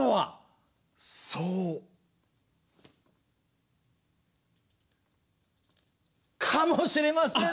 そうかもしれませんね。